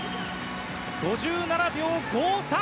５７秒５３！